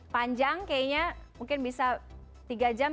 panjang kayaknya mungkin bisa tiga jam